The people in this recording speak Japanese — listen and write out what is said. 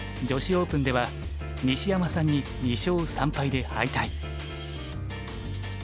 女子オープンでは西山さんに２勝３敗で敗退。